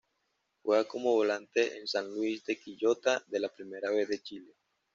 Juega como Volante en San Luis de Quillota de la Primera B de Chile.